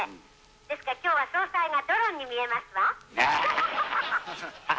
ですからきょうは総裁がドロンに見えますわ。